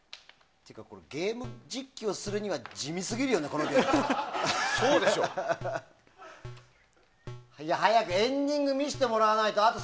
ゲーム実況するには地味すぎるよね、このゲーム。早くエンディング見せてもらわないと。